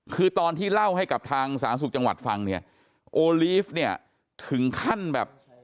คือตอนที่เล่าให้กับทางสาธารณสุขจังหวัดฟังเนี่ยโอลีฟเนี่ยถึงขั้นแบบ